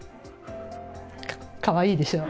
かわいいでしょ。